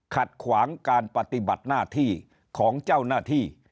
ขัดขวางการปฏิบัติหน้าที่ของเจ้าหน้าที่